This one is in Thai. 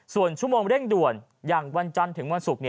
ส่วนชั่วโมงเร่งด่วนอย่างวันจันทร์ถึงวันศุกร์